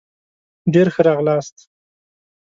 ډېر ښه راغلاست